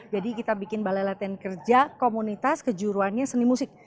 jadi kita bikin balai latihan kerja komunitas kejuruannya seni musik